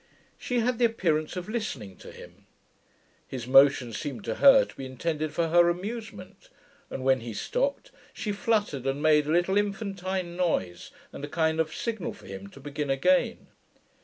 She had the appearance of listening to him. His motions seemed to her to be intended for her amusement; and when he stopped, she fluttered, and made a little infantine noise, and a kind of signal for him to begin again.